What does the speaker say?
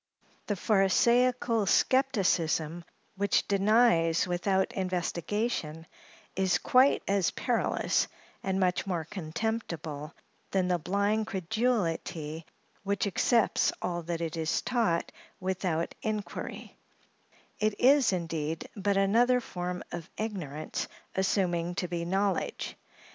The pharisaical skepticism which denies without investigation, is quite as perilous, and much more contemptible, than the blind credulity which accepts all that it is taught without inquiry; it is, indeed, but another form of ignorance assuming to be knowledge.